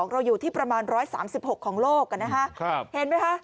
เราอยู่ที่ประมาณ๑๓๖ของโลกนะฮะเห็นไหมคะ